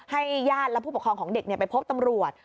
ญาติและผู้ปกครองของเด็กไปพบตำรวจ